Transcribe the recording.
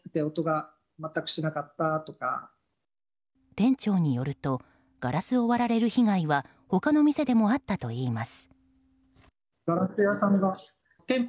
店長によるとガラスを割られる被害は他の店でもあったといいます。